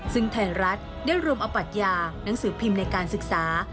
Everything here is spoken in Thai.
ซึ่งไทยรัฐได้รวมเอาปัญญาหนังสือพิมพ์ในการศึกษา